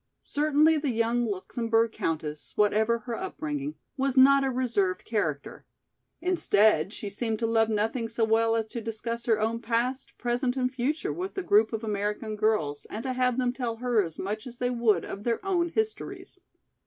Certainly the young Luxemburg countess, whatever her upbringing, was not a reserved character. Instead she seemed to love nothing so well as to discuss her own past, present and future with the group of American girls and to have them tell her as much as they would of their own histories.